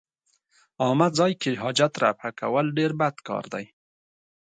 عامه ځای کې حاجت رفع کول ډېر بد کار دی.